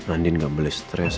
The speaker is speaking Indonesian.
andin gak boleh stres